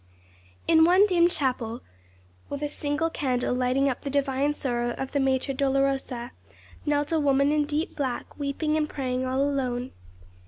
In one dim chapel, with a single candle lighting up the divine sorrow of the Mater Dolorosa, knelt a woman in deep black, weeping and praying all alone.